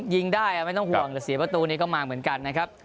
ยิงได้ไม่ต้องห่วงแต่เสียประตูนี้ก็มาเหมือนกันนะครับ